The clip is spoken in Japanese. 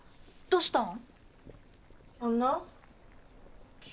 どうしたん？